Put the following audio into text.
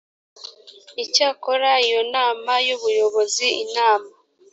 icyakora iyo inama y ubuyobozi inama